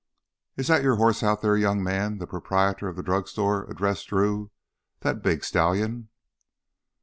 "Is that your horse out there, young man?" the proprietor of the drugstore addressed Drew. "That big stallion?"